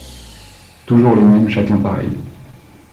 Toujours les même, chacun pareil.